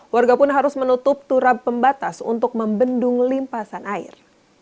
warga pun harus menutup turap pembatas untuk membendung limpasan air